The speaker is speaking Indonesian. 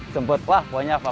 sempat wah pokoknya fakultas